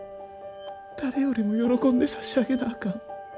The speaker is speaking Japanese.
誰よりも喜んで差し上げなあかん。